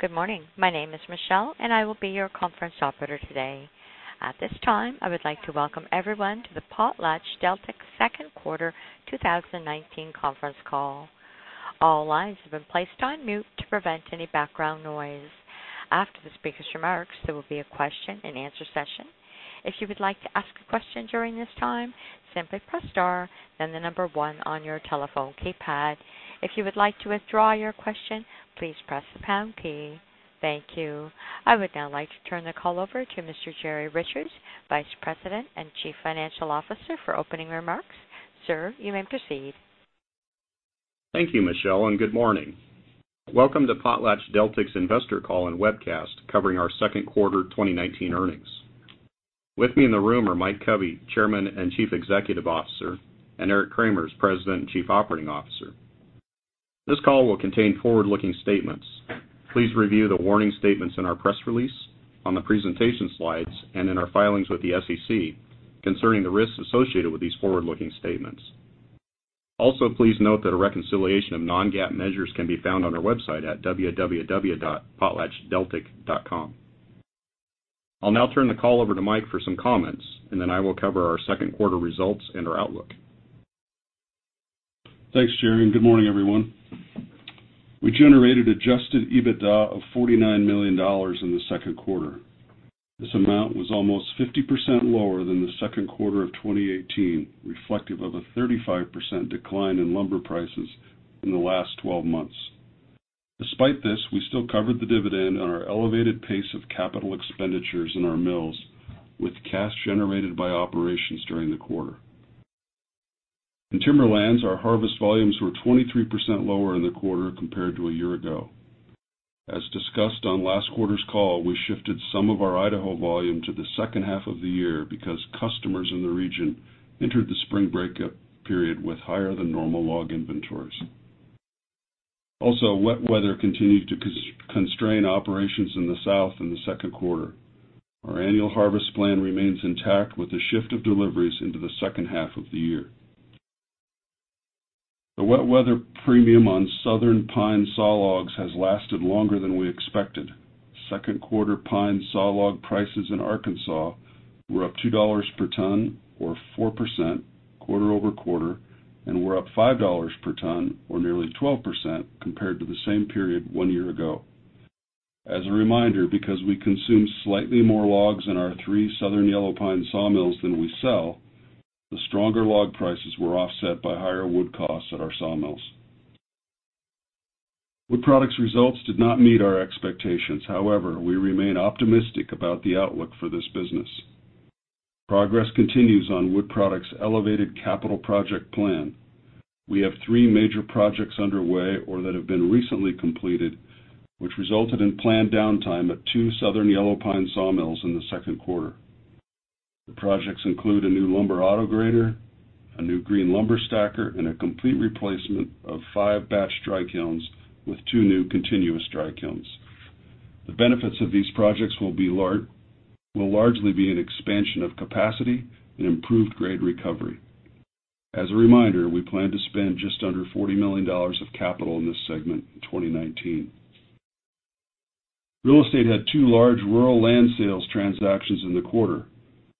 Good morning. My name is Michelle. I will be your conference operator today. At this time, I would like to welcome everyone to the PotlatchDeltic Second Quarter 2019 Conference Call. All lines have been placed on mute to prevent any background noise. After the speaker's remarks, there will be a question and answer session. If you would like to ask a question during this time, simply press star, then the number 1 on your telephone keypad. If you would like to withdraw your question, please press pound P. Thank you. I would now like to turn the call over to Mr. Jerry Richards, Vice President and Chief Financial Officer, for opening remarks. Sir, you may proceed. Thank you, Michelle, and good morning. Welcome to PotlatchDeltic's Investor Call and Webcast covering our second quarter 2019 earnings. With me in the room are Mike Covey, Chairman and Chief Executive Officer, and Eric Cremers, President and Chief Operating Officer. This call will contain forward-looking statements. Please review the warning statements in our press release, on the presentation slides, and in our filings with the SEC concerning the risks associated with these forward-looking statements. Also, please note that a reconciliation of non-GAAP measures can be found on our website at www.potlatchdeltic.com. I'll now turn the call over to Mike for some comments, and then I will cover our second quarter results and our outlook. Thanks, Jerry. Good morning, everyone. We generated adjusted EBITDA of $49 million in the second quarter. This amount was almost 50% lower than the second quarter of 2018, reflective of a 35% decline in lumber prices in the last 12 months. Despite this, we still covered the dividend on our elevated pace of capital expenditures in our mills with cash generated by operations during the quarter. In Timberlands, our harvest volumes were 23% lower in the quarter compared to a year ago. As discussed on last quarter's call, we shifted some of our Idaho volume to the second half of the year because customers in the region entered the spring breakup period with higher than normal log inventories. Wet weather continued to constrain operations in the South in the second quarter. Our annual harvest plan remains intact with the shift of deliveries into the second half of the year. The wet weather premium on Southern pine sawlogs has lasted longer than we expected. Second quarter pine sawlog prices in Arkansas were up $2 per ton or 4% quarter-over-quarter, and were up $5 per ton or nearly 12% compared to the same period one year ago. As a reminder, because we consume slightly more logs in our three Southern Yellow Pine sawmills than we sell, the stronger log prices were offset by higher wood costs at our sawmills. Wood products results did not meet our expectations. However, we remain optimistic about the outlook for this business. Progress continues on wood products' elevated capital project plan. We have three major projects underway or that have been recently completed, which resulted in planned downtime at two Southern Yellow Pine sawmills in the second quarter. The projects include a new lumber auto grader, a new green lumber stacker, and a complete replacement of five batch dry kilns with two new continuous dry kilns. The benefits of these projects will largely be an expansion of capacity and improved grade recovery. As a reminder, we plan to spend just under $40 million of capital in this segment in 2019. Real estate had two large rural land sales transactions in the quarter.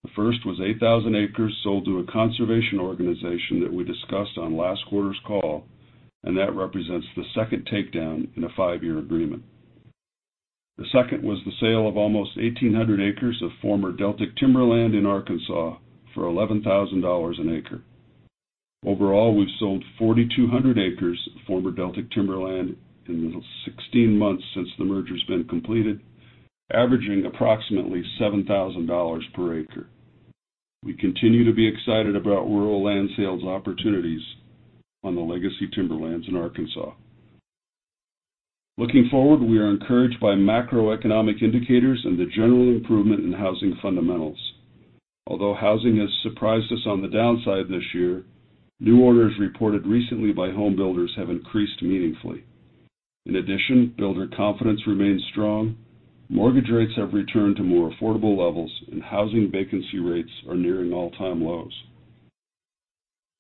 The first was 8,000 acres sold to a conservation organization that we discussed on last quarter's call, and that represents the second takedown in a five-year agreement. The second was the sale of almost 1,800 acres of former Deltic timberlands in Arkansas for $11,000 an acre. Overall, we've sold 4,200 acres of former Deltic timberlands in the 16 months since the merger's been completed, averaging approximately $7,000 per acre. We continue to be excited about rural land sales opportunities on the legacy Timberlands in Arkansas. Looking forward, we are encouraged by macroeconomic indicators and the general improvement in housing fundamentals. Although housing has surprised us on the downside this year, new orders reported recently by home builders have increased meaningfully. In addition, builder confidence remains strong, mortgage rates have returned to more affordable levels, and housing vacancy rates are nearing all-time lows.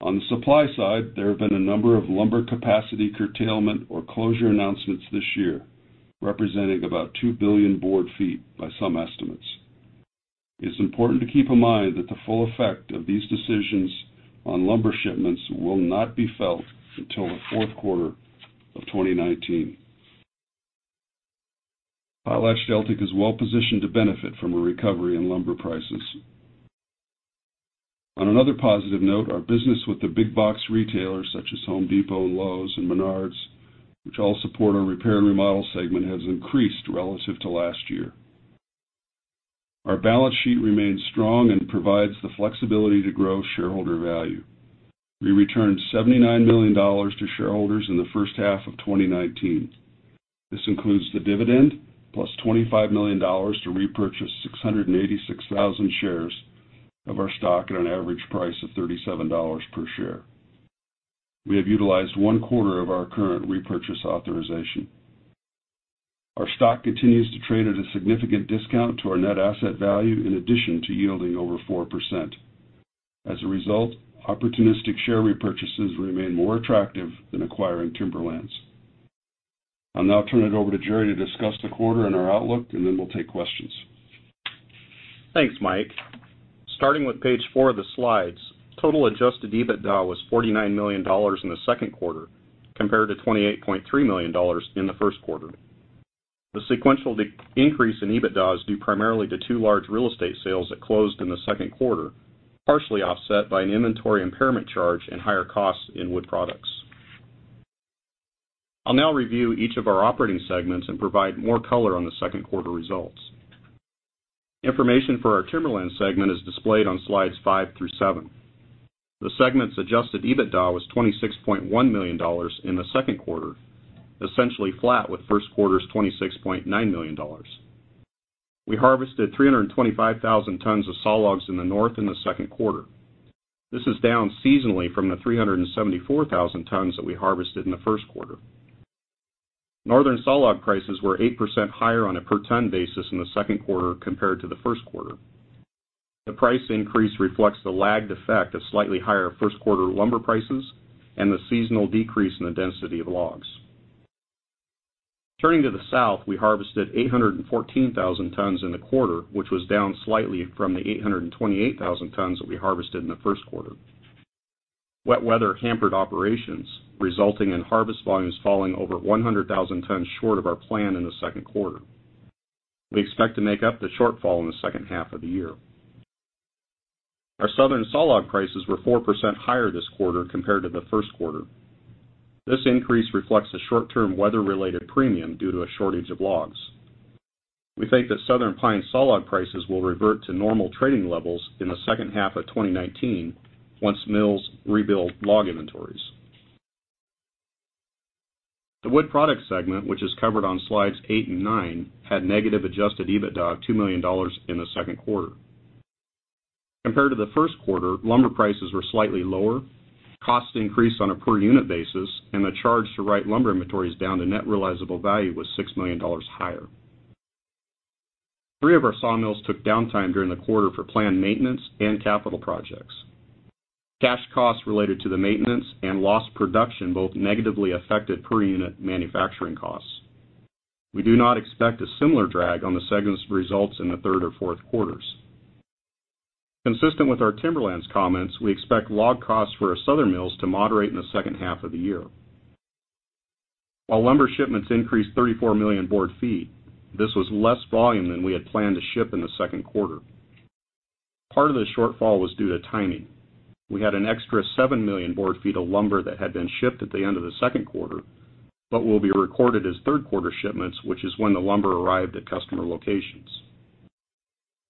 On the supply side, there have been a number of lumber capacity curtailment or closure announcements this year, representing about 2 billion board feet by some estimates. It's important to keep in mind that the full effect of these decisions on lumber shipments will not be felt until the fourth quarter of 2019. PotlatchDeltic is well-positioned to benefit from a recovery in lumber prices. On another positive note, our business with the big box retailers such as Home Depot and Lowe's and Menards, which all support our repair and remodel segment, has increased relative to last year. Our balance sheet remains strong and provides the flexibility to grow shareholder value. We returned $79 million to shareholders in the first half of 2019. This includes the dividend plus $25 million to repurchase 686,000 shares of our stock at an average price of $37 per share. We have utilized one-quarter of our current repurchase authorization. Our stock continues to trade at a significant discount to our net asset value in addition to yielding over 4%. As a result, opportunistic share repurchases remain more attractive than acquiring timberlands. I'll now turn it over to Jerry to discuss the quarter and our outlook, and then we'll take questions. Thanks, Mike. Starting with page four of the slides, total adjusted EBITDA was $49 million in the second quarter, compared to $28.3 million in the first quarter. The sequential increase in EBITDA is due primarily to two large real estate sales that closed in the second quarter, partially offset by an inventory impairment charge and higher costs in wood products. I'll now review each of our operating segments and provide more color on the second quarter results. Information for our Timberland segment is displayed on slides five through seven. The segment's adjusted EBITDA was $26.1 million in the second quarter, essentially flat with first quarter's $26.9 million. We harvested 325,000 tons of sawlogs in the north in the second quarter. This is down seasonally from the 374,000 tons that we harvested in the first quarter. Northern sawlog prices were 8% higher on a per ton basis in the second quarter compared to the first quarter. The price increase reflects the lagged effect of slightly higher first quarter lumber prices and the seasonal decrease in the density of logs. Turning to the south, we harvested 814,000 tons in the quarter, which was down slightly from the 828,000 tons that we harvested in the first quarter. Wet weather hampered operations, resulting in harvest volumes falling over 100,000 tons short of our plan in the second quarter. We expect to make up the shortfall in the second half of the year. Our southern sawlog prices were 4% higher this quarter compared to the first quarter. This increase reflects the short-term weather-related premium due to a shortage of logs. We think that southern pine sawlog prices will revert to normal trading levels in the second half of 2019 once mills rebuild log inventories. The Wood Products segment, which is covered on slides eight and nine, had negative adjusted EBITDA of $2 million in the second quarter. Compared to the first quarter, lumber prices were slightly lower, costs increased on a per unit basis, and the charge to write lumber inventories down to net realizable value was $6 million higher. Three of our sawmills took downtime during the quarter for planned maintenance and capital projects. Cash costs related to the maintenance and lost production both negatively affected per unit manufacturing costs. We do not expect a similar drag on the segment's results in the third or fourth quarters. Consistent with our Timberlands comments, we expect log costs for our southern mills to moderate in the second half of the year. While lumber shipments increased 34 million board feet, this was less volume than we had planned to ship in the second quarter. Part of the shortfall was due to timing. We had an extra 7 million board feet of lumber that had been shipped at the end of the second quarter, but will be recorded as third quarter shipments, which is when the lumber arrived at customer locations.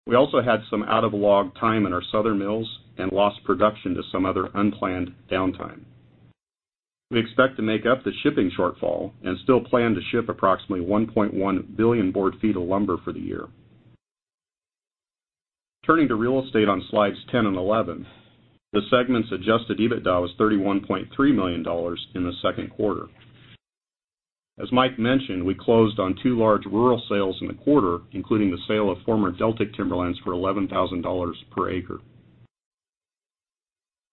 We also had some out-of-log time in our southern mills and lost production to some other unplanned downtime. We expect to make up the shipping shortfall and still plan to ship approximately 1.1 billion board feet of lumber for the year. Turning to Real Estate on slides 10 and 11, the segment's adjusted EBITDA was $31.3 million in the second quarter. As Mike mentioned, we closed on two large rural sales in the quarter, including the sale of former Deltic timberlands for $11,000 per acre.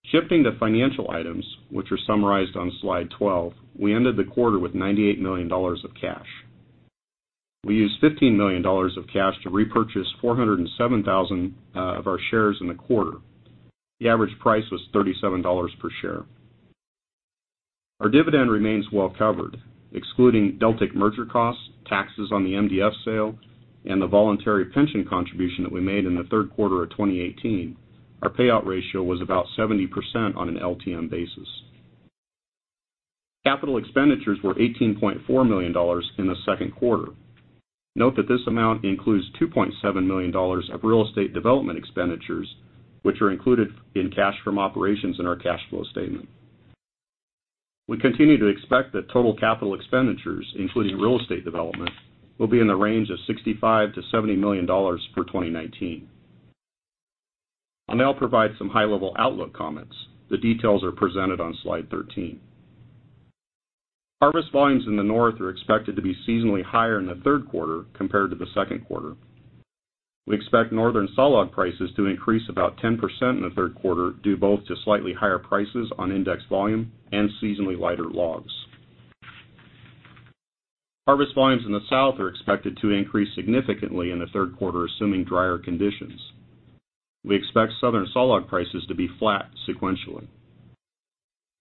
Shifting to financial items, which are summarized on slide 12, we ended the quarter with $98 million of cash. We used $15 million of cash to repurchase 407,000 of our shares in the quarter. The average price was $37 per share. Our dividend remains well covered, excluding Deltic merger costs, taxes on the MDF sale, and the voluntary pension contribution that we made in the third quarter of 2018, our payout ratio was about 70% on an LTM basis. Capital expenditures were $18.4 million in the second quarter. Note that this amount includes $2.7 million of real estate development expenditures, which are included in cash from operations in our cash flow statement. We continue to expect that total capital expenditures, including real estate development, will be in the range of $65 million to $70 million for 2019. I will now provide some high-level outlook comments. The details are presented on slide 13. Harvest volumes in the north are expected to be seasonally higher in the third quarter compared to the second quarter. We expect northern sawlog prices to increase about 10% in the third quarter, due both to slightly higher prices on index volume and seasonally lighter logs. Harvest volumes in the south are expected to increase significantly in the third quarter, assuming drier conditions. We expect southern sawlog prices to be flat sequentially.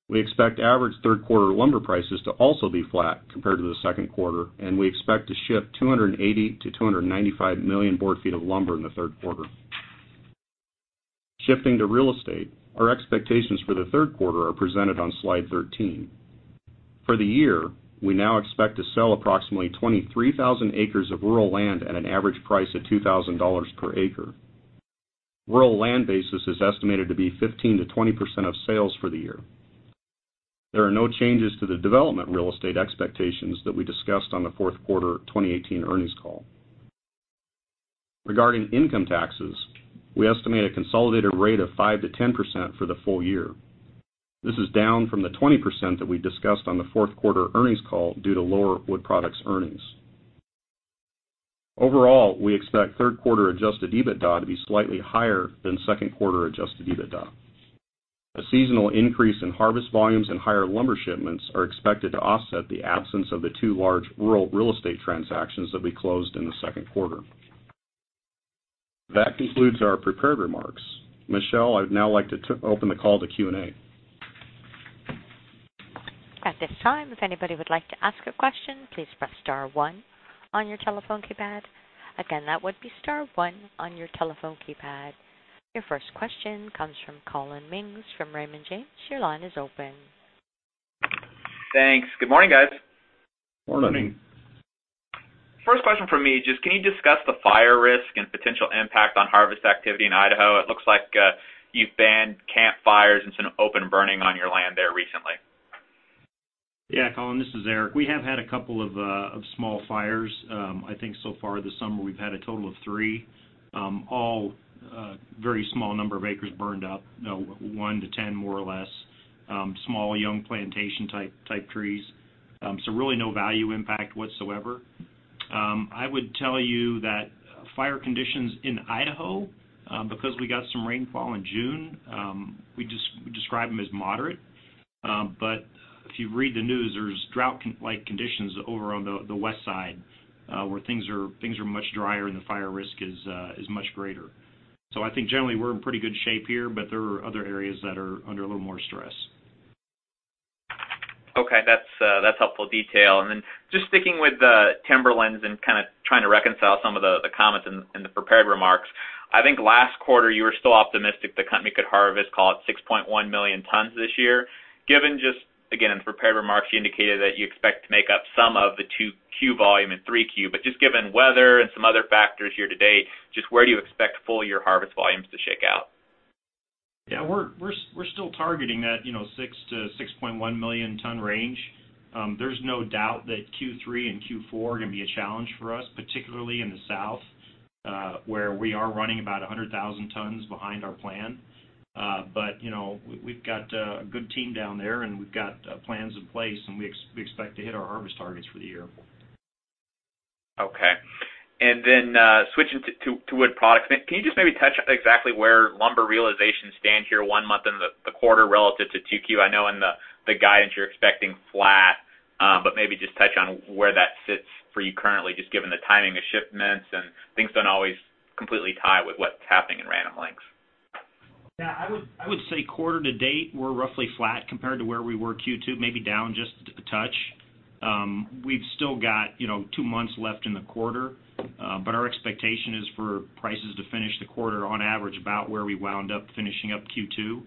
We expect average third quarter lumber prices to also be flat compared to the second quarter, and we expect to ship 280 million to 295 million board feet of lumber in the third quarter. Shifting to real estate, our expectations for the third quarter are presented on slide 13. For the year, we now expect to sell approximately 23,000 acres of rural land at an average price of $2,000 per acre. Rural land basis is estimated to be 15%-20% of sales for the year. There are no changes to the development real estate expectations that we discussed on the fourth quarter 2018 earnings call. Regarding income taxes, we estimate a consolidated rate of 5%-10% for the full year. This is down from the 20% that we discussed on the fourth quarter earnings call due to lower Wood Products earnings. Overall, we expect third quarter adjusted EBITDA to be slightly higher than second quarter adjusted EBITDA. A seasonal increase in harvest volumes and higher lumber shipments are expected to offset the absence of the two large rural real estate transactions that we closed in the second quarter. That concludes our prepared remarks. Michelle, I'd now like to open the call to Q&A. At this time, if anybody would like to ask a question, please press star one on your telephone keypad. Again, that would be star one on your telephone keypad. Your first question comes from Collin Mings from Raymond James. Your line is open. Thanks. Good morning, guys. Morning. Good morning. First question from me. Can you discuss the fire risk and potential impact on harvest activity in Idaho? It looks like you've banned campfires and open burning on your land there recently. Yeah, Collin, this is Eric. We have had a couple of small fires. I think so far this summer we've had a total of three. All very small number of acres burned up, one to 10, more or less. Small, young plantation-type trees. Really no value impact whatsoever. I would tell you that fire conditions in Idaho, because we got some rainfall in June, we describe them as moderate. If you read the news, there's drought-like conditions over on the west side, where things are much drier and the fire risk is much greater. I think generally we're in pretty good shape here, but there are other areas that are under a little more stress. Okay. That's helpful detail. Then just sticking with the timberlands and kind of trying to reconcile some of the comments in the prepared remarks. I think last quarter you were still optimistic the company could harvest, call it 6.1 million tons this year. Given just, again, in prepared remarks, you indicated that you expect to make up some of the 2Q volume in 3Q, but just given weather and some other factors here today, just where do you expect full-year harvest volumes to shake out? Yeah. We're still targeting that 6 to 6.1 million ton range. There's no doubt that Q3 and Q4 are going to be a challenge for us, particularly in the south, where we are running about 100,000 tons behind our plan. We've got a good team down there, and we've got plans in place, and we expect to hit our harvest targets for the year. Okay. Then switching to wood products. Can you just maybe touch exactly where lumber realization stand here one month into the quarter relative to 2Q? I know in the guidance you're expecting flat. Maybe just touch on where that sits for you currently, just given the timing of shipments and things don't always completely tie with what's happening in Random Lengths. Yeah. I would say quarter to date, we're roughly flat compared to where we were Q2, maybe down just a touch. We've still got two months left in the quarter, our expectation is for prices to finish the quarter, on average, about where we wound up finishing up Q2.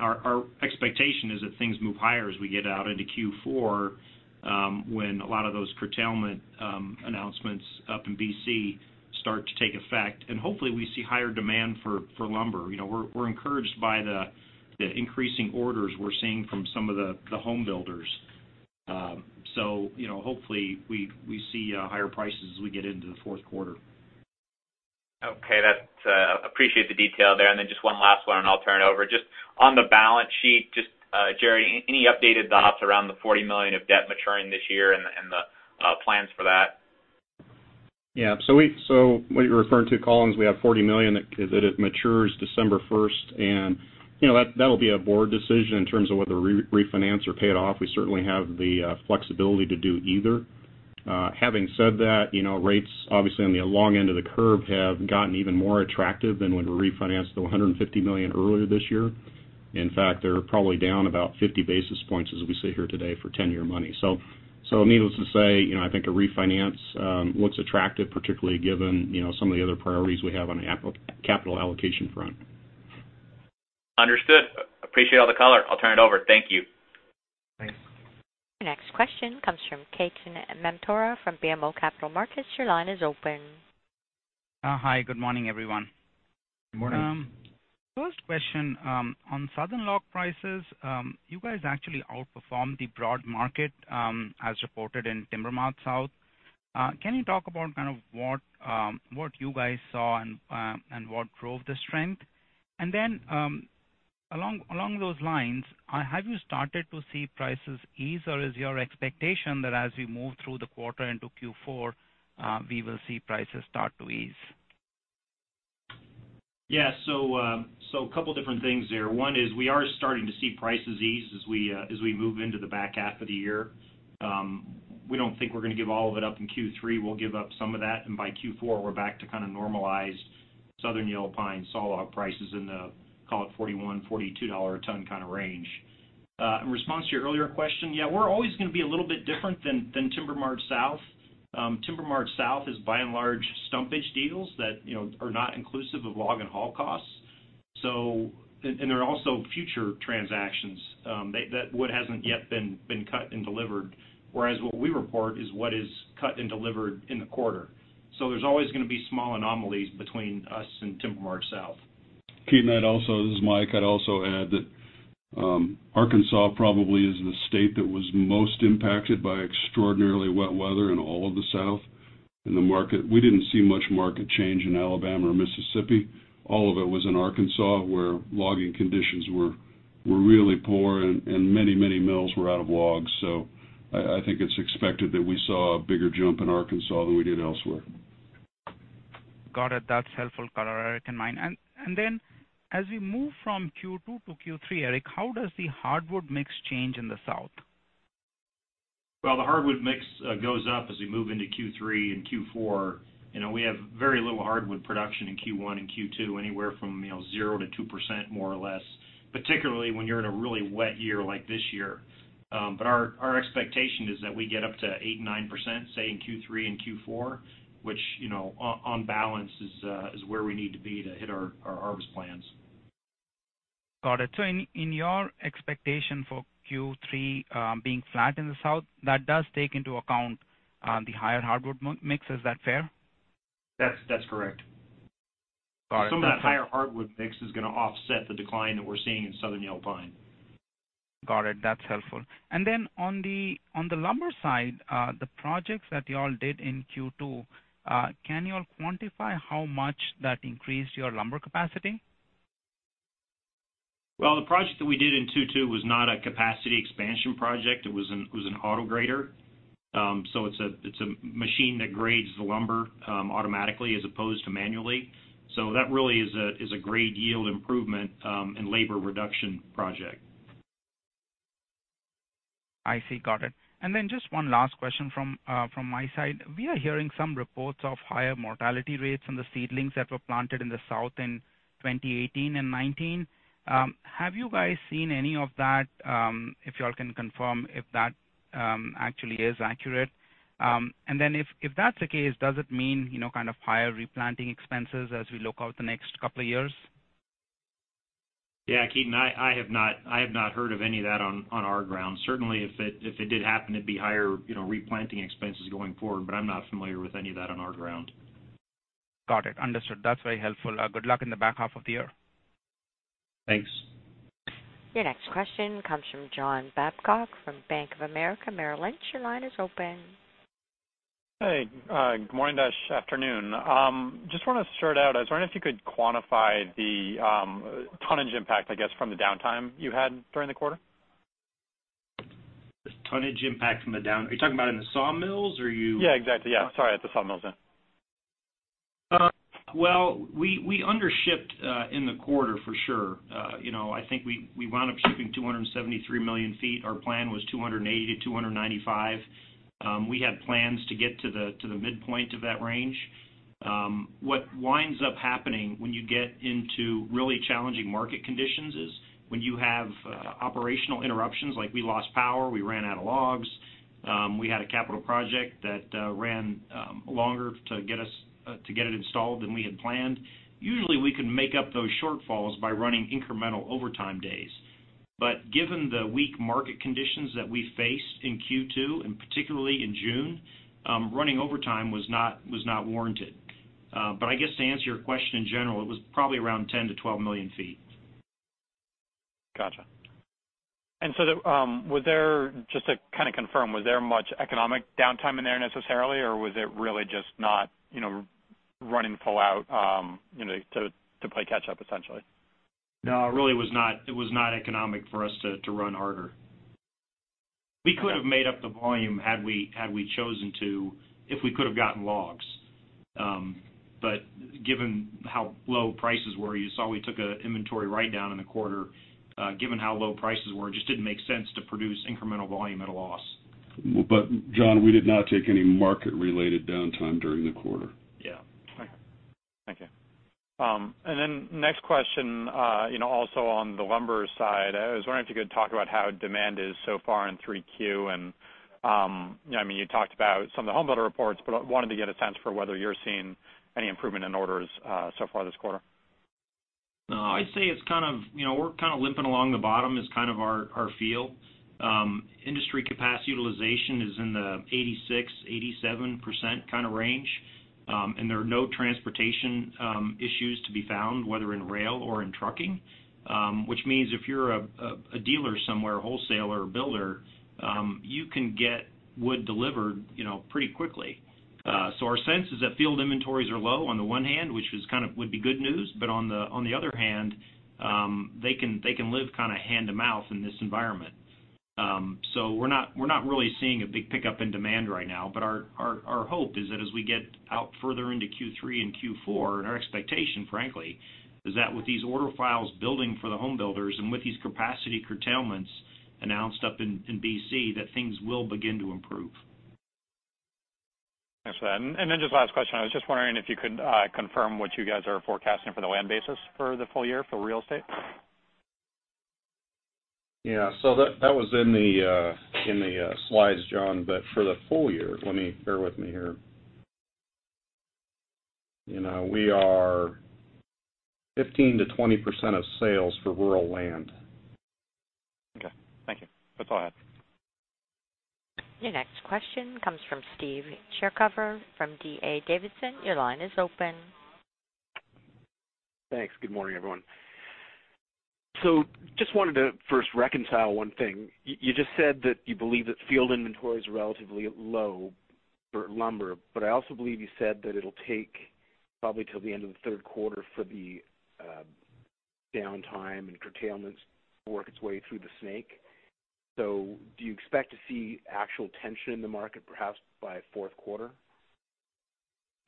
Our expectation is that things move higher as we get out into Q4, when a lot of those curtailment announcements up in B.C. start to take effect, and hopefully we see higher demand for lumber. We're encouraged by the increasing orders we're seeing from some of the home builders. Hopefully we see higher prices as we get into the fourth quarter. Okay. Appreciate the detail there. Just one last one, and I'll turn it over. Just on the balance sheet, just Jerry, any updated thoughts around the $40 million of debt maturing this year and the plans for that? Yeah. What you're referring to, Collin, is we have $40 million that matures December 1st. That'll be a board decision in terms of whether to refinance or pay it off. We certainly have the flexibility to do either. Having said that, rates obviously on the long end of the curve have gotten even more attractive than when we refinanced the $150 million earlier this year. In fact, they're probably down about 50 basis points as we sit here today for 10-year money. Needless to say, I think a refinance looks attractive, particularly given some of the other priorities we have on the capital allocation front. Understood. Appreciate all the color. I'll turn it over. Thank you. Thanks. Your next question comes from Ketan Mamtora from BMO Capital Markets. Your line is open. Hi. Good morning, everyone. Good morning. First question, on southern log prices, you guys actually outperformed the broad market as reported in TimberMart-South. Can you talk about kind of what you guys saw and what drove the strength? Along those lines, have you started to see prices ease, or is your expectation that as we move through the quarter into Q4 we will see prices start to ease? Yeah. Couple different things there. One is we are starting to see prices ease as we move into the back half of the year. We don't think we're going to give all of it up in Q3. We'll give up some of that, and by Q4 we're back to kind of normalized Southern Yellow Pine sawlog prices in the, call it $41-$42 a ton kind of range. In response to your earlier question, yeah, we're always going to be a little bit different than TimberMart-South. TimberMart-South is by and large stumpage deals that are not inclusive of log and haul costs. They're also future transactions, wood that hasn't yet been cut and delivered. Whereas what we report is what is cut and delivered in the quarter. There's always going to be small anomalies between us and TimberMart-South. Ketan, this is Mike. I'd also add that Arkansas probably is the state that was most impacted by extraordinarily wet weather in all of the South in the market. We didn't see much market change in Alabama or Mississippi. All of it was in Arkansas where logging conditions were. Were really poor and many mills were out of logs. I think it's expected that we saw a bigger jump in Arkansas than we did elsewhere. Got it. That's helpful color, Eric and Mike. As we move from Q2 to Q3, Eric, how does the hardwood mix change in the South? Well, the hardwood mix goes up as we move into Q3 and Q4. We have very little hardwood production in Q1 and Q2, anywhere from 0%-2%, more or less, particularly when you're in a really wet year like this year. Our expectation is that we get up to 8%, 9%, say, in Q3 and Q4, which, on balance, is where we need to be to hit our harvest plans. Got it. In your expectation for Q3 being flat in the South, that does take into account the higher hardwood mix. Is that fair? That's correct. Got it. That higher hardwood mix is going to offset the decline that we're seeing in Southern Yellow Pine. Got it. That's helpful. On the lumber side, the projects that y'all did in Q2, can you all quantify how much that increased your lumber capacity? Well, the project that we did in Q2 was not a capacity expansion project. It was an auto grader. It's a machine that grades the lumber automatically as opposed to manually. That really is a grade yield improvement and labor reduction project. I see. Got it. Just one last question from my side. We are hearing some reports of higher mortality rates from the seedlings that were planted in the South in 2018 and 2019. Have you guys seen any of that, if y'all can confirm if that actually is accurate? If that's the case, does it mean kind of higher replanting expenses as we look out the next couple of years? Yeah, Ketan, I have not heard of any of that on our grounds. Certainly, if it did happen, it'd be higher replanting expenses going forward, but I'm not familiar with any of that on our ground. Got it. Understood. That's very helpful. Good luck in the back half of the year. Thanks. Your next question comes from John Babcock from Bank of America Merrill Lynch. Your line is open. Hey. Good morning, afternoon. Just want to start out, I was wondering if you could quantify the tonnage impact, I guess, from the downtime you had during the quarter. Are you talking about in the sawmills, or? Yeah, exactly. Yeah, sorry, at the sawmills, yeah. Well, we undershipped in the quarter for sure. I think we wound up shipping 273 million feet. Our plan was 280 million feet-295 million feet. We had plans to get to the midpoint of that range. What winds up happening when you get into really challenging market conditions is when you have operational interruptions, like we lost power, we ran out of logs, we had a capital project that ran longer to get it installed than we had planned. Usually, we can make up those shortfalls by running incremental overtime days. Given the weak market conditions that we faced in Q2, and particularly in June, running overtime was not warranted. I guess to answer your question in general, it was probably around 10 million feet-12 million feet. Gotcha. Was there, just to kind of confirm, was there much economic downtime in there necessarily, or was it really just not running full out to play catch-up essentially? No, it really was not economic for us to run harder. We could have made up the volume had we chosen to, if we could have gotten logs. Given how low prices were, you saw we took an inventory write-down in the quarter. Given how low prices were, it just didn't make sense to produce incremental volume at a loss. John, we did not take any market-related downtime during the quarter. Yeah. Okay. Thank you. Next question, also on the lumber side, I was wondering if you could talk about how demand is so far in 3Q, and you talked about some of the homebuilder reports, but I wanted to get a sense for whether you're seeing any improvement in orders so far this quarter. No, I'd say we're kind of limping along the bottom is kind of our feel. Industry capacity utilization is in the 86%-87% kind of range, and there are no transportation issues to be found, whether in rail or in trucking. Which means if you're a dealer somewhere, wholesaler or builder, you can get wood delivered pretty quickly. Our sense is that field inventories are low on the one hand, which would be good news, but on the other hand, they can live kind of hand-to-mouth in this environment. We're not really seeing a big pickup in demand right now, but our hope is that as we get out further into Q3 and Q4, and our expectation, frankly, is that with these order files building for the home builders and with these capacity curtailments announced up in BC, that things will begin to improve. Thanks for that. Just last question, I was just wondering if you could confirm what you guys are forecasting for the land basis for the full year for real estate? Yeah, that was in the slides, John, for the full year, bear with me here. We are 15%-20% of sales for rural land. Okay. Thank you. That's all I had. Your next question comes from Steve Chercover from D.A. Davidson. Your line is open. Thanks. Good morning, everyone. Just wanted to first reconcile one thing. You just said that you believe that field inventory is relatively low for lumber, but I also believe you said that it'll take probably till the end of the third quarter for the downtime and curtailments work its way through the snake. Do you expect to see actual tension in the market, perhaps by fourth quarter?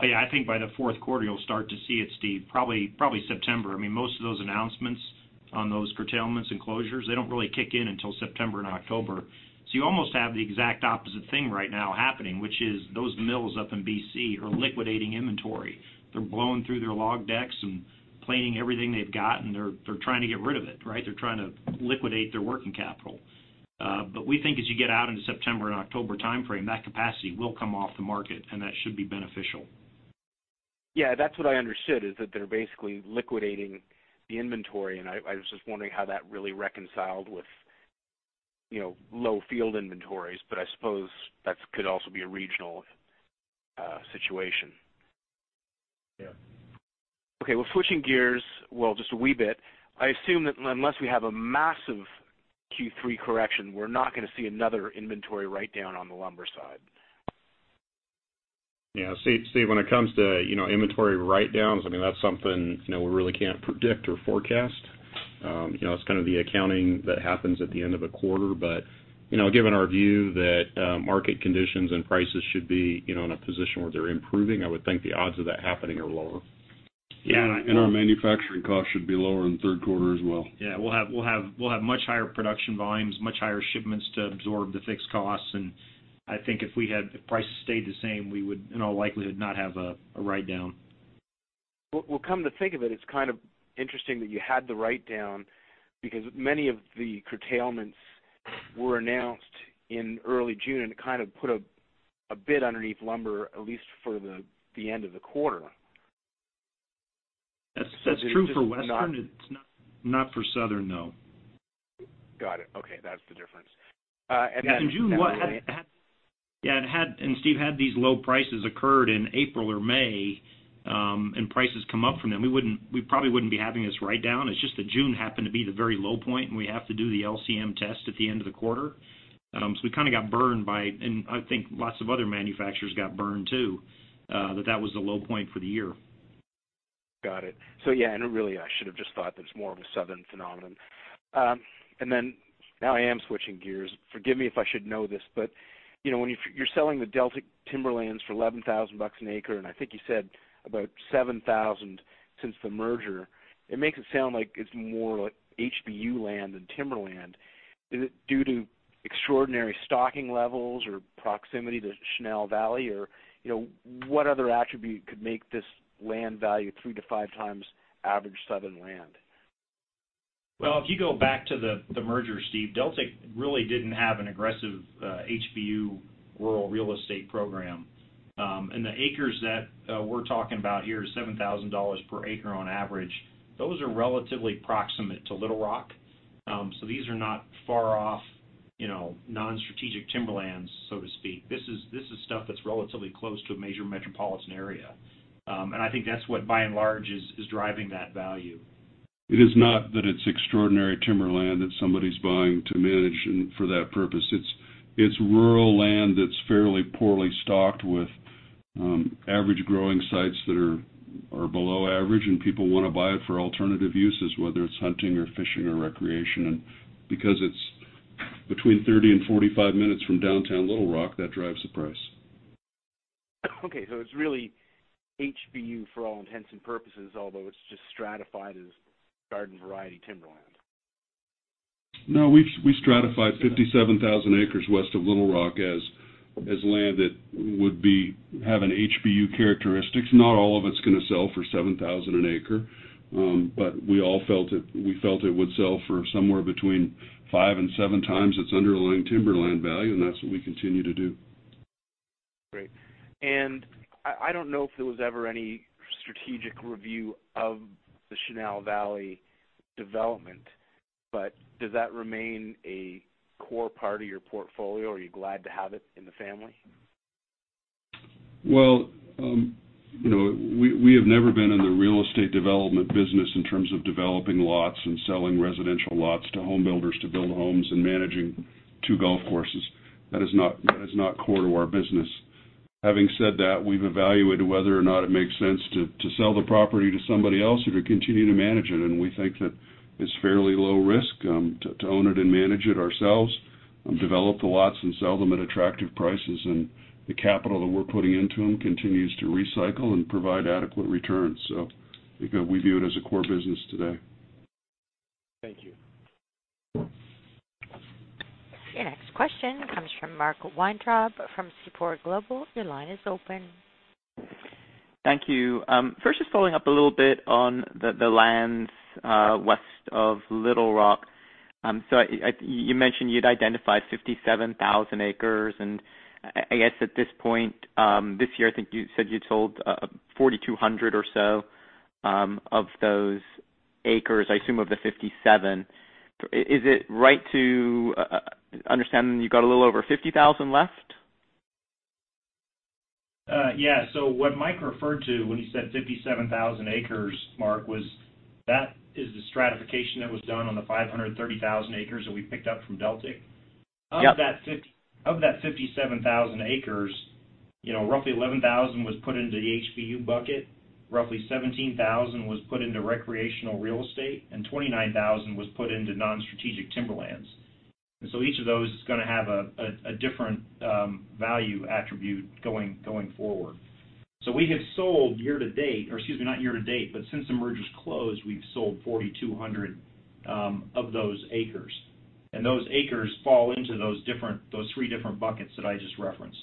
Yeah, I think by the fourth quarter you'll start to see it, Steve. Probably September. Most of those announcements on those curtailments and closures, they don't really kick in until September and October. You almost have the exact opposite thing right now happening, which is those mills up in BC are liquidating inventory. They're blowing through their log decks and planing everything they've got, and they're trying to get rid of it. They're trying to liquidate their working capital. We think as you get out into September and October timeframe, that capacity will come off the market and that should be beneficial. Yeah, that's what I understood, is that they're basically liquidating the inventory, and I was just wondering how that really reconciled with low field inventories, but I suppose that could also be a regional situation. Yeah. Okay. Well, switching gears just a wee bit. I assume that unless we have a massive Q3 correction, we're not going to see another inventory write-down on the lumber side. Yeah. Steve, when it comes to inventory write-downs, that's something we really can't predict or forecast. It's kind of the accounting that happens at the end of a quarter, but given our view that market conditions and prices should be in a position where they're improving, I would think the odds of that happening are lower. Our manufacturing costs should be lower in the third quarter as well. We'll have much higher production volumes, much higher shipments to absorb the fixed costs, and I think if prices stayed the same, we would in all likelihood not have a write-down. Come to think of it's kind of interesting that you had the write-down because many of the curtailments were announced in early June, and it kind of put a bid underneath lumber, at least for the end of the quarter. That's true for Western. It's not for Southern, though. Got it. Okay, that's the difference. Yeah, Steve, had these low prices occurred in April or May, and prices come up from them, we probably wouldn't be having this write-down. It's just that June happened to be the very low point, and we have to do the LCM test at the end of the quarter. We kind of got burned by it, and I think lots of other manufacturers got burned too, that that was the low point for the year. Got it. Yeah, and really, I should have just thought that it's more of a Southern phenomenon. Now I am switching gears. Forgive me if I should know this, but when you're selling the Deltic timberlands for $11,000 an acre, and I think you said about $7,000 since the merger, it makes it sound like it's more like HBU land than timberland. Is it due to extraordinary stocking levels or proximity to Chenal Valley? What other attribute could make this land value three to five times average Southern land? Well, if you go back to the merger, Steve, Deltic really didn't have an aggressive HBU rural real estate program. The acres that we're talking about here is $7,000 per acre on average. Those are relatively proximate to Little Rock, so these are not far off non-strategic timberlands, so to speak. This is stuff that's relatively close to a major metropolitan area. I think that's what by and large is driving that value. It is not that it's extraordinary timberland that somebody's buying to manage and for that purpose. It's rural land that's fairly poorly stocked with average growing sites that are below average, and people want to buy it for alternative uses, whether it's hunting or fishing or recreation. Because it's between 30-45 minutes from downtown Little Rock, that drives the price. Okay, it's really HBU for all intents and purposes, although it's just stratified as garden variety timberland. We stratified 57,000 acres west of Little Rock as land that would have an HBU characteristics. Not all of it's going to sell for $7,000 an acre. We felt it would sell for somewhere between five and seven times its underlying timberland value, and that's what we continue to do. Great. I don't know if there was ever any strategic review of the Chenal Valley development, but does that remain a core part of your portfolio? Are you glad to have it in the family? Well, we have never been in the real estate development business in terms of developing lots and selling residential lots to home builders to build homes and managing two golf courses. That is not core to our business. Having said that, we've evaluated whether or not it makes sense to sell the property to somebody else or to continue to manage it, and we think that it's fairly low risk to own it and manage it ourselves, develop the lots and sell them at attractive prices. The capital that we're putting into them continues to recycle and provide adequate returns. We view it as a core business today. Thank you. Your next question comes from Mark Weintraub from Seaport Global. Your line is open. Thank you. First, just following up a little bit on the lands west of Little Rock. You mentioned you'd identified 57,000 acres, and I guess at this point, this year, I think you said you sold 4,200 or so of those acres, I assume, of the 57. Is it right to understand that you got a little over 50,000 left? Yeah. What Mike referred to when he said 57,000 acres, Mark, was that is the stratification that was done on the 530,000 acres that we picked up from Deltic. Of that 57,000 acres, roughly 11,000 was put into the HBU bucket, roughly 17,000 was put into recreational real estate, and 29,000 was put into non-strategic timberlands. Each of those is going to have a different value attribute going forward. We have sold year to date-- or excuse me, not year to date, but since the mergers closed, we've sold 4,200 of those acres. Those acres fall into those three different buckets that I just referenced.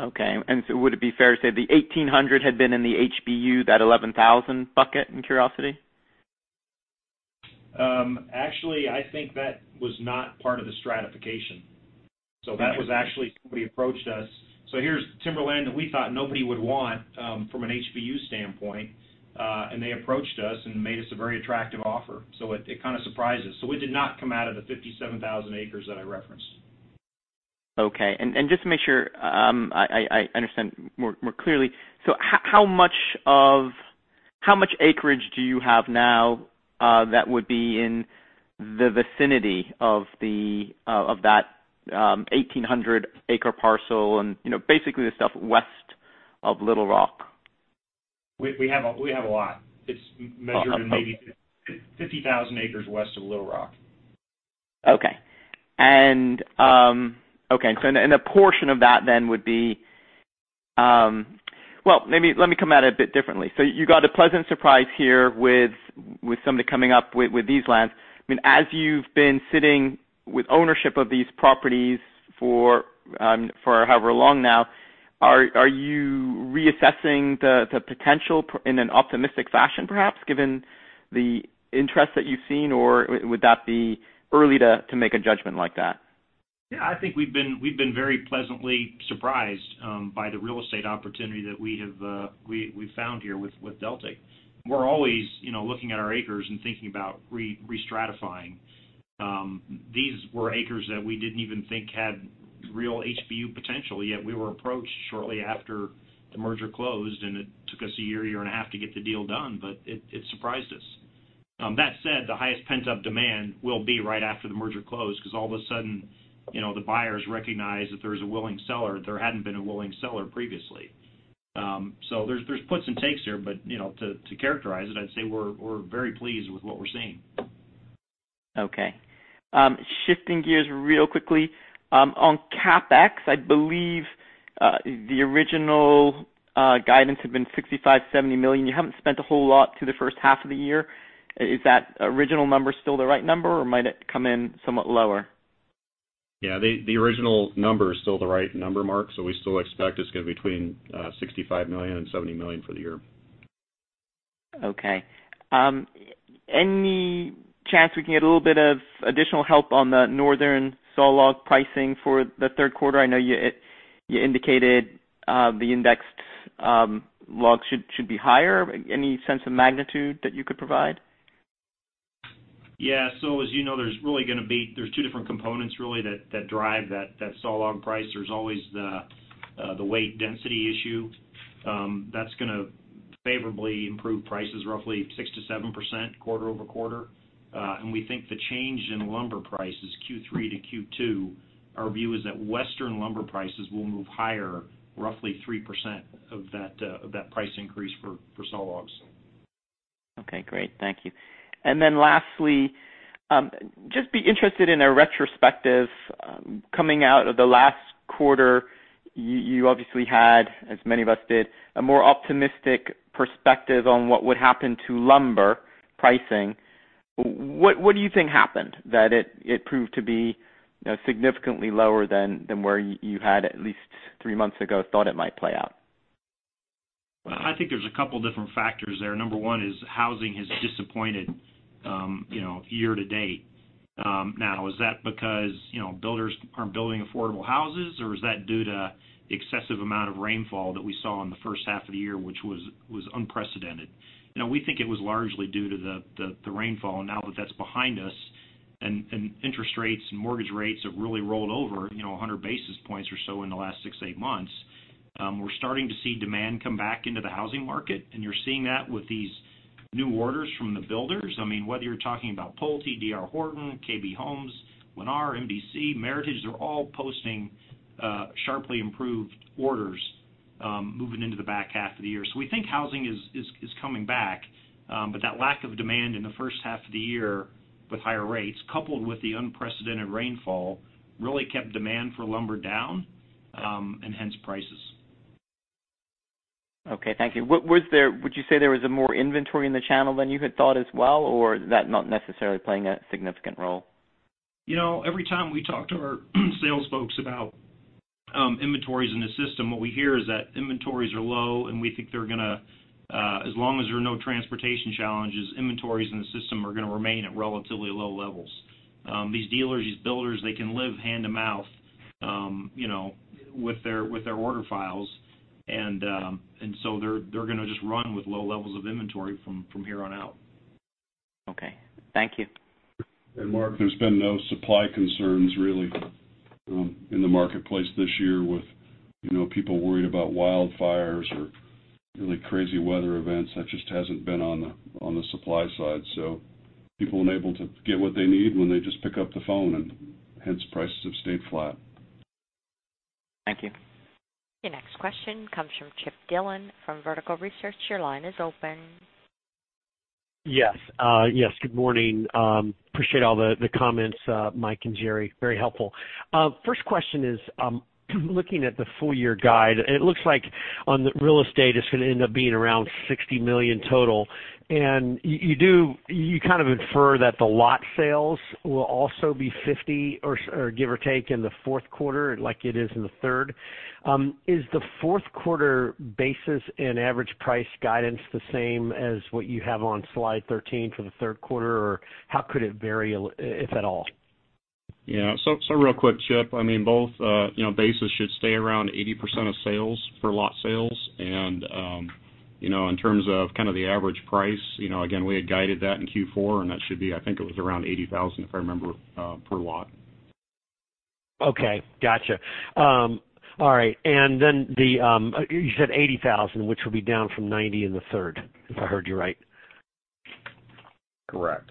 Okay. Would it be fair to say the 1,800 had been in the HBU, that 11,000 bucket, in curiosity? Actually, I think that was not part of the stratification. That was actually somebody approached us. Here's timberland that we thought nobody would want from an HBU standpoint. They approached us and made us a very attractive offer, so it kind of surprised us. It did not come out of the 57,000 acres that I referenced. Okay. Just to make sure I understand more clearly, so how much acreage do you have now that would be in the vicinity of that 1,800-acre parcel and basically the stuff west of Little Rock? We have a lot. It's measured in maybe 50,000 acres west of Little Rock. Okay. Well, let me come at it a bit differently. You got a pleasant surprise here with somebody coming up with these lands. As you've been sitting with ownership of these properties for however long now, are you reassessing the potential in an optimistic fashion, perhaps, given the interest that you've seen, or would that be early to make a judgment like that? Yeah, I think we've been very pleasantly surprised by the real estate opportunity that we've found here with Deltic. We're always looking at our acres and thinking about re-stratifying. These were acres that we didn't even think had real HBU potential, yet we were approached shortly after the merger closed, and it took us a year and a half to get the deal done, but it surprised us. That said, the highest pent-up demand will be right after the merger closed because all of a sudden, the buyers recognize that there is a willing seller. There hadn't been a willing seller previously. There's puts and takes there, but to characterize it, I'd say we're very pleased with what we're seeing. Okay. Shifting gears real quickly. On CapEx, I believe the original guidance had been $65 million, $70 million. You haven't spent a whole lot through the first half of the year. Is that original number still the right number, or might it come in somewhat lower? Yeah, the original number is still the right number, Mark, so we still expect it's going to be between $65 million and $70 million for the year. Okay. Any chance we can get a little bit of additional help on the northern sawlog pricing for the third quarter? I know you indicated the indexed logs should be higher. Any sense of magnitude that you could provide? Yeah. As you know, there's two different components really that drive that sawlog price. There's always the weight density issue. That's going to favorably improve prices roughly 6%-7% quarter-over-quarter. We think the change in lumber prices, Q3 to Q2, our view is that western lumber prices will move higher, roughly 3% of that price increase for sawlogs. Okay, great. Thank you. Then lastly, just be interested in a retrospective coming out of the last quarter, you obviously had, as many of us did, a more optimistic perspective on what would happen to lumber pricing. What do you think happened that it proved to be significantly lower than where you had, at least three months ago, thought it might play out? I think there's a couple different factors there. Number one is housing has disappointed year to date. Is that because builders aren't building affordable houses, or is that due to the excessive amount of rainfall that we saw in the first half of the year, which was unprecedented? We think it was largely due to the rainfall. That that's behind us and interest rates and mortgage rates have really rolled over 100 basis points or so in the last six, eight months, we're starting to see demand come back into the housing market, and you're seeing that with these new orders from the builders. Whether you're talking about Pulte, D.R. Horton, KB Home, Lennar, MDC, Meritage, they're all posting sharply improved orders moving into the back half of the year. We think housing is coming back. That lack of demand in the first half of the year with higher rates, coupled with the unprecedented rainfall, really kept demand for lumber down, and hence prices. Okay, thank you. Would you say there was more inventory in the channel than you had thought as well, or is that not necessarily playing a significant role? Every time we talk to our sales folks about inventories in the system, what we hear is that inventories are low. We think they're going to, as long as there are no transportation challenges, inventories in the system are going to remain at relatively low levels. These dealers, these builders, they can live hand-to-mouth with their order files. They're going to just run with low levels of inventory from here on out. Okay. Thank you. Mark, there's been no supply concerns, really. In the marketplace this year with people worried about wildfires or really crazy weather events, that just hasn't been on the supply side. People unable to get what they need when they just pick up the phone, and hence prices have stayed flat. Thank you. Your next question comes from Chip Dillon from Vertical Research. Your line is open. Yes. Good morning. Appreciate all the comments, Mike and Jerry. Very helpful. First question is, looking at the full-year guide, it looks like on the real estate, it's going to end up being around $60 million total. You kind of infer that the lot sales will also be 50 or give or take in the fourth quarter, like it is in the third. Is the fourth quarter basis and average price guidance the same as what you have on slide 13 for the third quarter? Or how could it vary, if at all? Yeah. Real quick, Chip, both basis should stay around 80% of sales for lot sales. In terms of the average price, again, we had guided that in Q4, and that should be, I think it was around $80,000, if I remember, per lot. Okay. Got you. All right. You said 80,000, which will be down from 90 in the third, if I heard you right. Correct.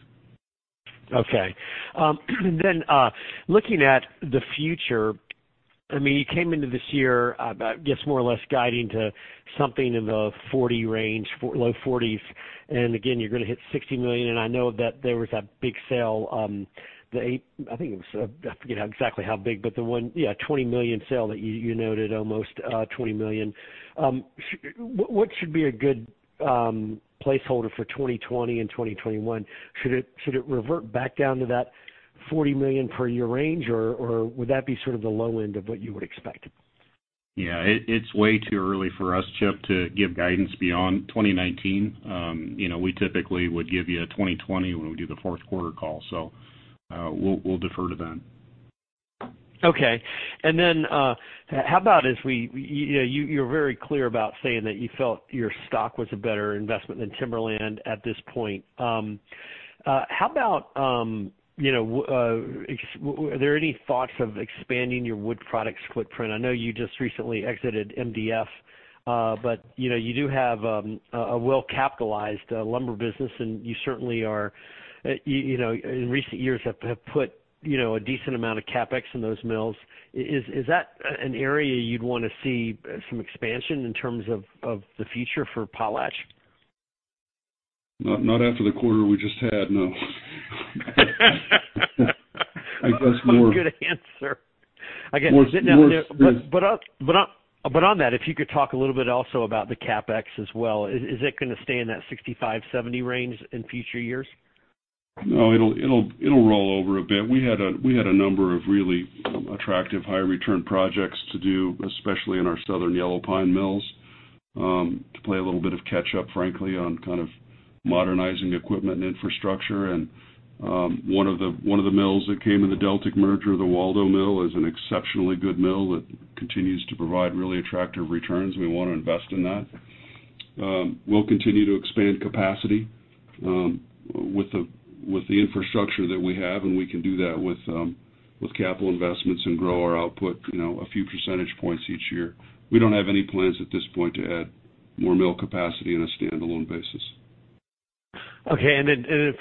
Looking at the future, you came into this year, I guess more or less guiding to something in the $40 range, low $40s. Again, you're going to hit $60 million, and I know that there was that big sale, I forget exactly how big, but yeah, $20 million sale that you noted, almost $20 million. What should be a good placeholder for 2020 and 2021? Should it revert back down to that $40 million per year range, or would that be sort of the low end of what you would expect? Yeah, it's way too early for us, Chip, to give guidance beyond 2019. We typically would give you a 2020 when we do the fourth quarter call, so we'll defer to then. Okay. Then, you're very clear about saying that you felt your stock was a better investment than Timberland at this point. How about, are there any thoughts of expanding your wood products footprint? I know you just recently exited MDF, but you do have a well-capitalized lumber business, and you certainly in recent years have put a decent amount of CapEx in those mills. Is that an area you'd want to see some expansion in terms of the future for Potlatch? Not after the quarter we just had, no. Good answer. More- On that, if you could talk a little bit also about the CapEx as well. Is it going to stay in that $65-$70 range in future years? No, it'll roll over a bit. We had a number of really attractive higher return projects to do, especially in our Southern Yellow Pine mills, to play a little bit of catch up, frankly, on modernizing equipment and infrastructure. One of the mills that came in the Deltic merger, the Waldo mill, is an exceptionally good mill that continues to provide really attractive returns. We want to invest in that. We'll continue to expand capacity with the infrastructure that we have, and we can do that with capital investments and grow our output a few percentage points each year. We don't have any plans at this point to add more mill capacity on a standalone basis. Okay,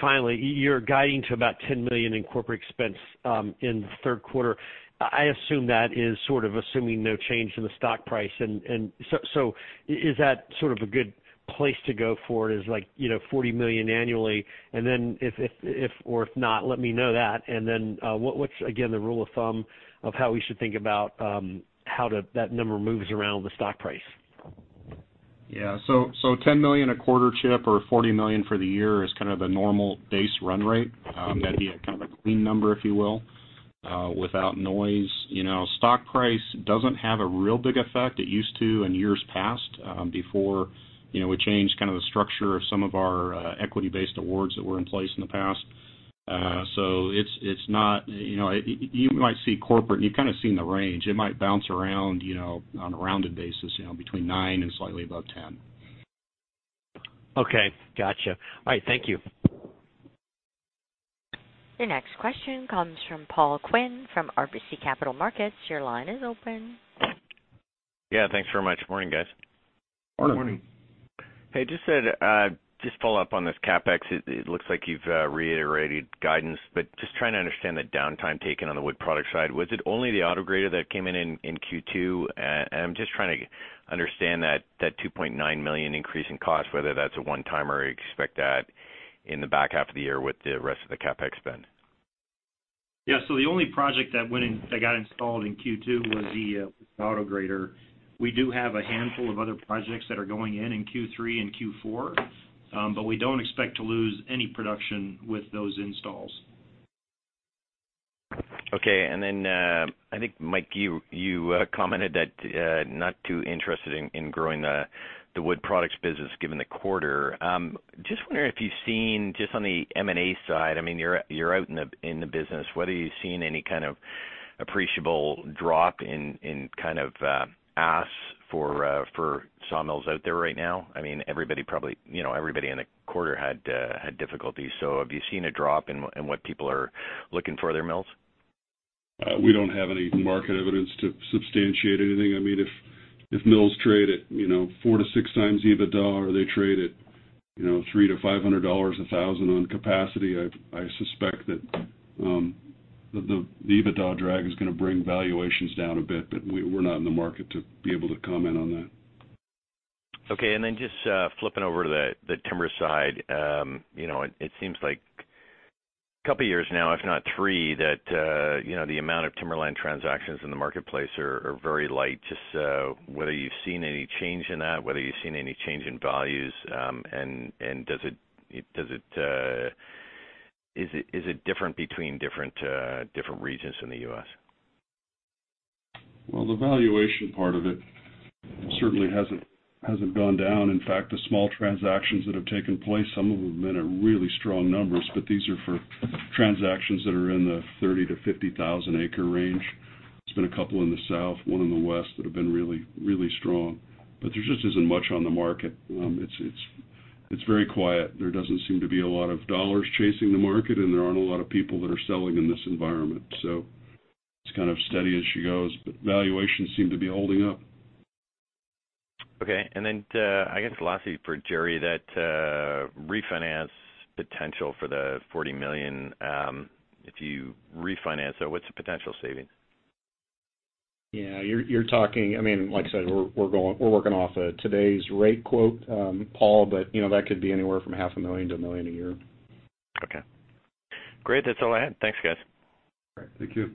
finally, you're guiding to about $10 million in corporate expense in the third quarter. I assume that is sort of assuming no change in the stock price. Is that sort of a good place to go forward, is like $40 million annually? If or if not, let me know that. What's, again, the rule of thumb of how we should think about how that number moves around the stock price? Yeah. $10 million a quarter, Chip, or $40 million for the year is kind of the normal base run rate. That'd be a kind of a clean number, if you will, without noise. Stock price doesn't have a real big effect. It used to in years past, before we changed kind of the structure of some of our equity-based awards that were in place in the past. You might see corporate, and you've kind of seen the range. It might bounce around, on a rounded basis, between $9 and slightly above $10. Okay. Got you. All right. Thank you. Your next question comes from Paul Quinn from RBC Capital Markets. Your line is open. Yeah, thanks very much. Morning, guys. Morning. Morning. Hey, just to follow up on this CapEx, it looks like you've reiterated guidance. Just trying to understand the downtime taken on the wood product side. Was it only the auto grader that came in in Q2? I'm just trying to understand that $2.9 million increase in cost, whether that's a one-timer or you expect that in the back half of the year with the rest of the CapEx spend. Yeah. The only project that got installed in Q2 was the auto grader. We do have a handful of other projects that are going in in Q3 and Q4. We don't expect to lose any production with those installs. Okay. Then, I think, Mike, you commented that not too interested in growing the wood products business given the quarter. Just wondering if you've seen, just on the M&A side, you're out in the business, whether you've seen any kind of appreciable drop in kind of asks for sawmills out there right now. Everybody in the quarter had difficulty. Have you seen a drop in what people are looking for their mills? We don't have any market evidence to substantiate anything. If mills trade at 4 to 6 times EBITDA or they trade at $300-$500, $1,000 on capacity, I suspect that the EBITDA drag is going to bring valuations down a bit. We're not in the market to be able to comment on that. Okay. Just flipping over to the timber side, it seems like a couple of years now, if not three, that the amount of timberland transactions in the marketplace are very light. Just whether you've seen any change in that, whether you've seen any change in values, and is it different between different regions in the U.S.? The valuation part of it certainly hasn't gone down. In fact, the small transactions that have taken place, some of them have been at really strong numbers, but these are for transactions that are in the 30,000-50,000-acre range. There's been a couple in the south, one in the west, that have been really strong. There just isn't much on the market. It's very quiet. There doesn't seem to be a lot of dollars chasing the market, and there aren't a lot of people that are selling in this environment. It's kind of steady as she goes, but valuations seem to be holding up. Okay. I guess, lastly for Jerry, that refinance potential for the $40 million, if you refinance it, what's the potential savings? Yeah, like I said, we're working off of today's rate quote, Paul, but that could be anywhere from half a million to a million a year. Okay. Great. That's all I had. Thanks, guys. All right. Thank you.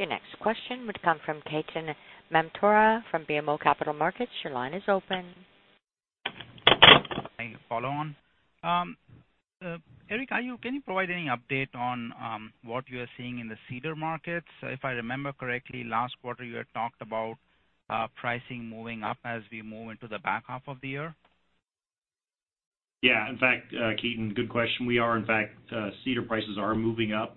Your next question would come from Ketan Mamtora from BMO Capital Markets. Your line is open. Thank you. Follow on. Eric, can you provide any update on what you are seeing in the cedar markets? If I remember correctly, last quarter you had talked about pricing moving up as we move into the back half of the year. Yeah. In fact, Ketan, good question. We are in fact, cedar prices are moving up.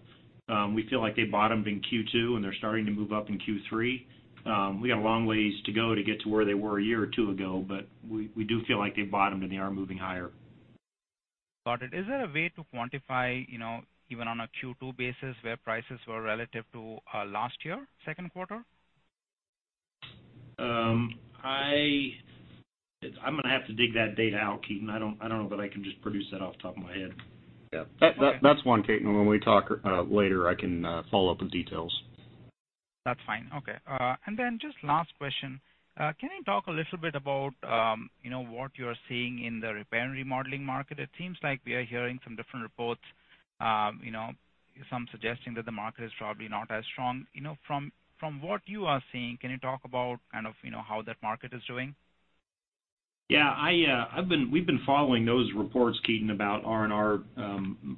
We feel like they bottomed in Q2, and they're starting to move up in Q3. We got a long ways to go to get to where they were a year or two ago, but we do feel like they bottomed, and they are moving higher. Got it. Is there a way to quantify, even on a Q2 basis, where prices were relative to last year, second quarter? I'm going to have to dig that data out, Ketan. I don't know that I can just produce that off the top of my head. Yeah. Okay. That's one, Ketan, when we talk later, I can follow up with details. That's fine. Okay. Just last question? Can you talk a little bit about what you're seeing in the repair and remodeling market? It seems like we are hearing from different reports, some suggesting that the market is probably not as strong. From what you are seeing, can you talk about how that market is doing? Yeah. We've been following those reports, Ketan, about R&R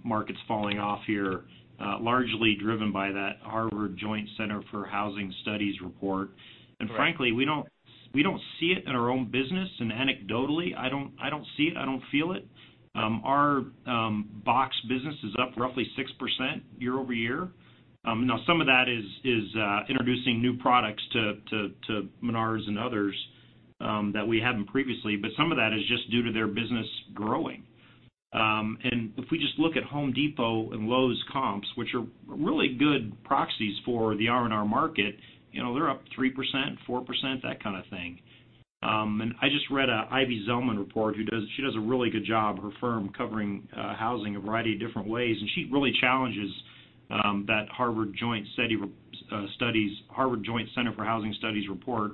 markets falling off here, largely driven by that Harvard Joint Center for Housing Studies report. Right. Frankly, we don't see it in our own business. Anecdotally, I don't see it. I don't feel it. Our box business is up roughly 6% year-over-year. Now, some of that is introducing new products to Menards and others that we hadn't previously, but some of that is just due to their business growing. If we just look at Home Depot and Lowe's comps, which are really good proxies for the R&R market, they're up 3%, 4%, that kind of thing. I just read a Ivy Zelman report. She does a really good job, her firm, covering housing a variety of different ways. She really challenges that Harvard Joint Center for Housing Studies report,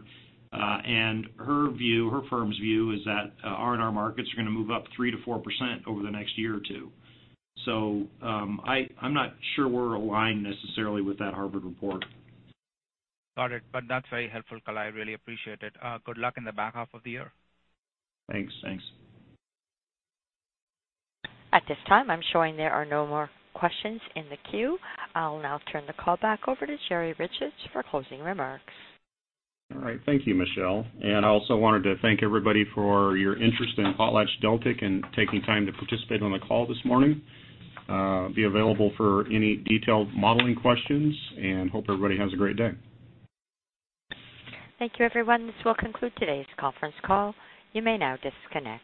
and her firm's view is that R&R markets are going to move up 3%-4% over the next year or two. I'm not sure we're aligned necessarily with that Harvard report. Got it. That's very helpful. I really appreciate it. Good luck in the back half of the year. Thanks. At this time, I'm showing there are no more questions in the queue. I'll now turn the call back over to Jerry Richards for closing remarks. All right. Thank you, Michelle. I also wanted to thank everybody for your interest in PotlatchDeltic and taking time to participate on the call this morning. I'll be available for any detailed modeling questions, and hope everybody has a great day. Thank you, everyone. This will conclude today's conference call. You may now disconnect.